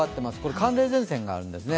寒冷前線があるんですね。